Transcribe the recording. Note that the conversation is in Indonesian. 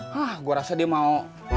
hah gue rasa dia mau